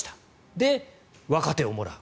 で、若手をもらう。